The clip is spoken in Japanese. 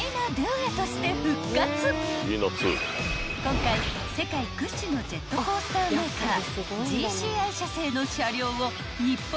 ［今回世界屈指のジェットコースターメーカー］